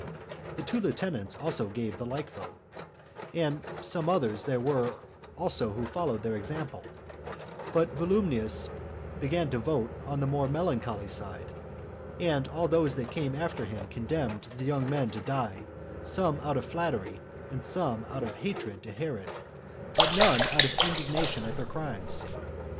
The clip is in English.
The two lieutenants also gave the like vote; some others there were also who followed their example; but Volumnius began to vote on the more melancholy side, and all those that came after him condemned the young men to die, some out of flattery, and some out of hatred to Herod; but none out of indignation at their crimes.